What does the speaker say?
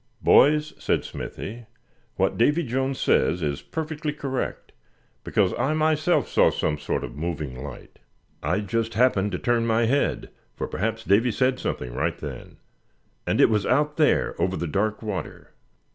"Boys," said Smithy, "what Davy Jones says is perfectly correct, because I myself saw some sort of moving light. I just happened to turn my head, for perhaps Davy said something right then, and it was out there over the dark water."